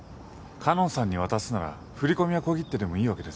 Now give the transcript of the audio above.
かのんさんに渡すなら振り込みや小切手でもいいわけですよね？